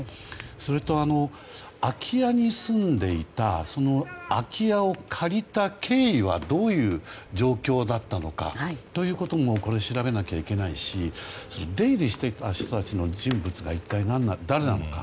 それと、空き家に住んでいたその空き家を借りた経緯はどういう状況だったのかということも調べなきゃいけないしそれに出入りしていた人たちの人物が一体誰なのか。